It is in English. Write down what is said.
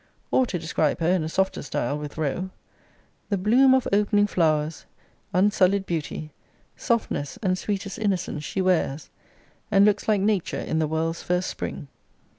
Or, to describe her in a softer style with Rowe, The bloom of op'ning flow'rs, unsully'd beauty, Softness, and sweetest innocence she wears, And looks like nature in the world's first spring.